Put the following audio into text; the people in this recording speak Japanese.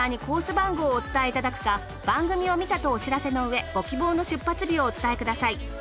番号をお伝えいただくか番組を観たとお知らせのうえご希望の出発日をお伝えください。